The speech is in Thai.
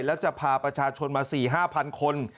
แล้วจะพาประชาชนมา๔๕๐๐คน